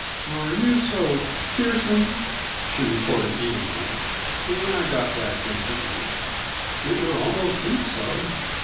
"Are you so fearsome?" she retorted evenly, and I got back instantly: "It would almost seem so."